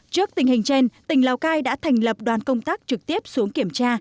trước tình hình trên tỉnh lào cai đã thành lập đoàn công tác trực tiếp xuống kiểm tra